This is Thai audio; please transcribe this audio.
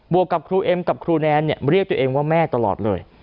วกกับครูเอ็มกับครูแนนเรียกตัวเองว่าแม่ตลอดเลย